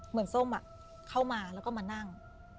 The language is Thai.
เหมือนส้มเข้ามาแล้วก็มานั่ง